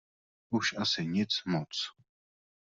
Už asi nic moc.